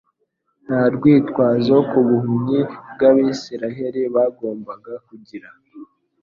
Nta rwitwazo ku buhumyi bw'Abisirayeli bagombaga kugira.